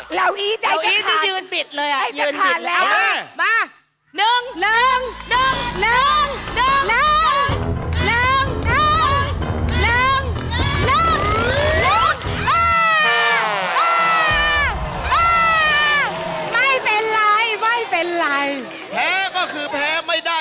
เหล่าอี้ใจจะขาด